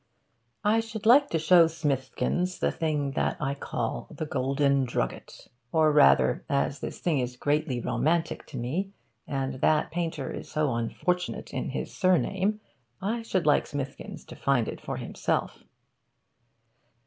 I should like to show Smithkins the thing that I call The Golden Drugget. Or rather, as this thing is greatly romantic to me, and that painter is so unfortunate in his surname, I should like Smithkins to find it for himself.